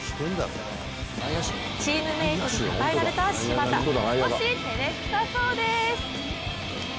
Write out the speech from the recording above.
チームメイトにたたえられた柴田、少し、照れくさそうです。